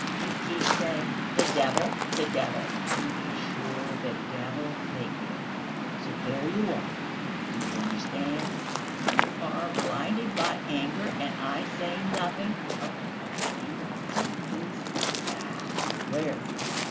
You keep saying, 'The devil, the devil!'" "To be sure, the devil take it; so there you are, do you understand?" "You are blinded by anger, and I say nothing. Oh, dear, who is that?" "Where?"